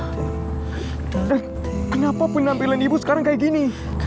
dan kenapa penampilan ibu sekarang kayak gini